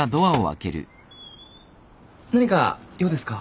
何か用ですか？